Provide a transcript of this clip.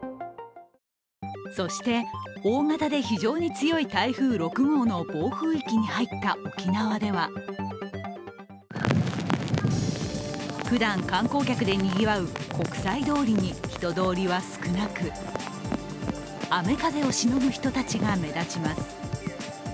そして大型で非常に強い台風６号の暴風域に入った沖縄ではふだん、観光客でにぎわう国際通りに人通りは少なく、雨風をしのぐ人たちが目立ちます。